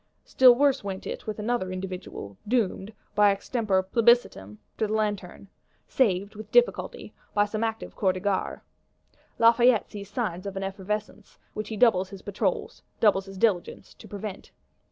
Still worse went it with another individual; doomed, by extempore Plebiscitum, to the Lanterne; saved, with difficulty, by some active Corps de Garde.—Lafayette sees signs of an effervescence; which he doubles his Patrols, doubles his diligence, to prevent.